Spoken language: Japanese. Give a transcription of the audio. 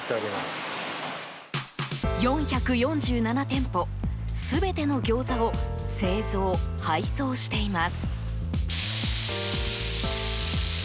４４７店舗、全てのギョーザを製造・配送しています。